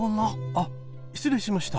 あっ失礼しました。